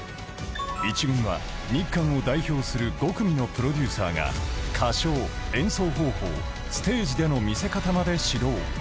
１軍は日韓を代表する５組のプロデューサーが、歌唱・演奏方法、ステージでの見せ方まで指導。